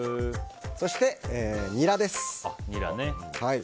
そして、ニラです。